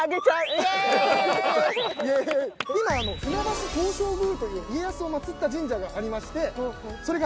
今船橋東照宮という家康を祭った神社がありましてそれが。